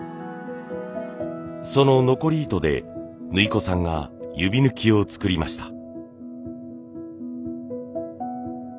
その残り糸で縫い子さんが指ぬきを作りました。